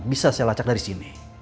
bisa selacak dari sini